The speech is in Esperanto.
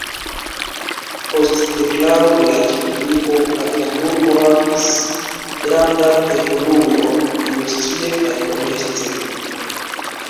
Post deklaro de la respubliko la grandurbo havis grandan evoluon industrie kaj komerce.